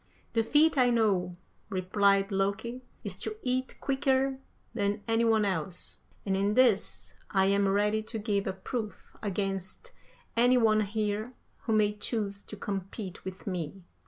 "'The feat I know,' replied Loki, 'is to eat quicker than any one else, and in this I am ready to give a proof against any one here who may choose to compete with me.'